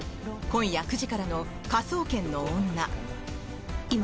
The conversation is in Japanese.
今夜９時からの「科捜研の女」。